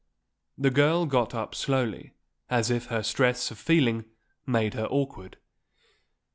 The girl got up slowly, as if her stress of feeling made her awkward.